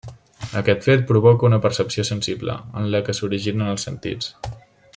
Aquest fet provoca una percepció sensible, en la que s'originen els sentits.